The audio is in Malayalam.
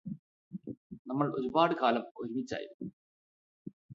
നമ്മൾ ഒരുപാട് കാലം ഒരുമിച്ചായിരുന്നു